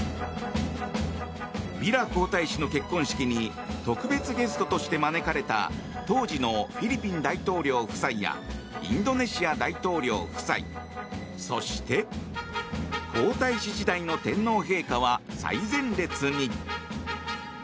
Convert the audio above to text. ビラ皇太子の結婚式に特別ゲストとして招かれた当時のフィリピン大統領夫妻やインドネシア大統領夫妻そして、皇太子時代の天皇陛下は最前列に。